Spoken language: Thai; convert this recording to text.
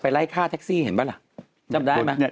ไล่ฆ่าแท็กซี่เห็นป่ะล่ะจำได้ไหม